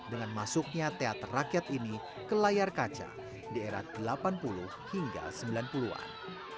dengan masuknya teater rakyat ini ke layar kaca di era seribu sembilan ratus delapan puluh an hingga seribu sembilan ratus sembilan puluh an